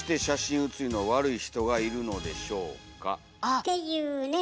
っていうね。